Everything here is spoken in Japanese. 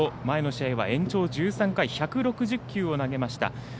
前の試合は延長１３回１６０球を投げました。